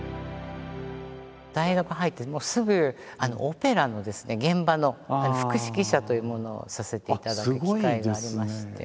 大学入ってすぐオペラの現場の副指揮者というものをさせていただく機会がありまして。